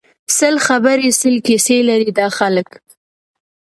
سل خبری سل کیسی لري دا خلک